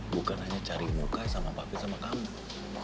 bukan hanya cari muka sama pape sama kamu